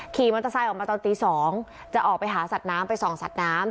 ขี่มอเตอร์ไซค์ออกมาตอนตี๒จะออกไปหาสัตว์น้ำไปส่องสัตว์น้ำ